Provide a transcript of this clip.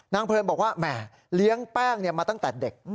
เพลินบอกว่าแหม่เลี้ยงแป้งมาตั้งแต่เด็ก